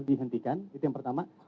dihentikan itu yang pertama